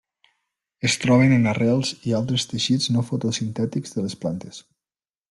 Es troben en arrels i altres teixits no fotosintètics de les plantes.